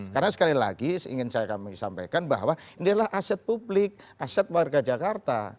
karena sekali lagi ingin saya sampaikan bahwa ini adalah aset publik aset warga jakarta